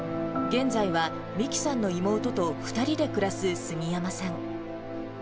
現在は、美貴さんの妹と２人で暮らす杉山さん。